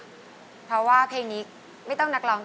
โอ้โหไปทบทวนเนื้อได้โอกาสทองเลยนานทีเดียวเป็นไงครับวาว